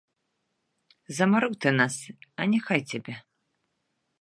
Замарыў ты нас, а няхай цябе!